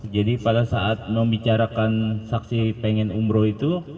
jadi pada saat membicarakan saksi pengen umroh itu